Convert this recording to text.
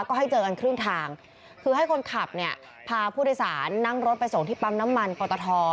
ก็ให้เจอกันครึ่งทางคือให้คนขับเนี่ยพาผู้โดยสารนั่งรถไปส่งที่ปั๊มน้ำมันปอตท